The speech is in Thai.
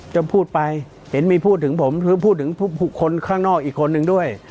จะพูดไปเห็นมีพูดถึงผมหรือพูดถึงคนข้างนอกอีกคนนึงด้วย